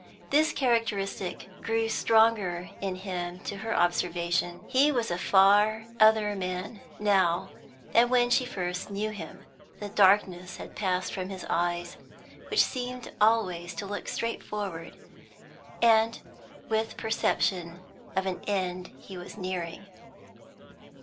This characteristic grew stronger in him to her observation; he was a far other man now than when she first knew him; the darkness had passed from his eyes, which seemed always to look straight forward, and with perception of an end he was nearing.